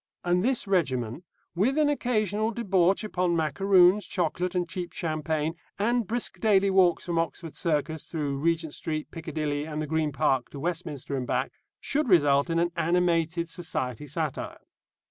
And this regimen, with an occasional debauch upon macaroons, chocolate, and cheap champagne, and brisk daily walks from Oxford Circus, through Regent Street, Piccadilly, and the Green Park, to Westminster and back, should result in an animated society satire.